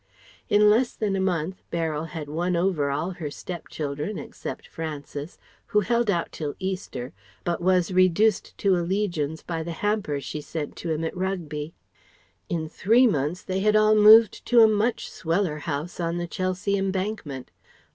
In less than a month Beryl had won over all her step children, except Francis, who held out till Easter, but was reduced to allegiance by the hampers she sent to him at Rugby ; in three months they had all moved to a much sweller house on the Chelsea Embankment.